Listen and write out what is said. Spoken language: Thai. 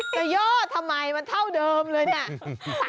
ย่อทำไมมันเท่าเดิมเลยเนี่ย